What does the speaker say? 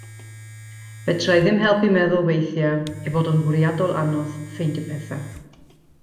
Fedra' i ddim helpu meddwl weithiau ei fod o'n fwriadol anodd ffeindio pethau.